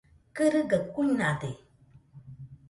Kɨrɨgaɨ kuinade.